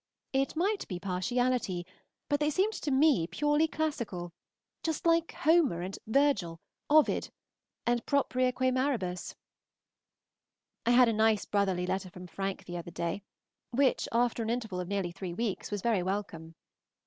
It might be partiality, but they seemed to me purely classical, just like Homer and Virgil, Ovid and Propria que Maribus. I had a nice brotherly letter from Frank the other day, which, after an interval of nearly three weeks, was very welcome.